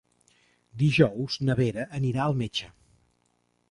Dijous na Vera anirà al metge.